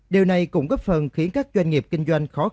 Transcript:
điều này cũng góp phần khiến các doanh nghiệp kinh doanh